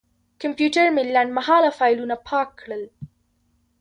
کمپیوټر مې لنډمهاله فایلونه پاک کړل.